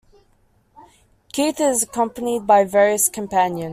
Keith is accompanied by various companions.